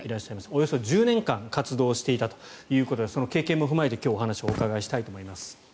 およそ１０年間活動していたということでその経験も踏まえて今日はお話をお伺いしたいと思います。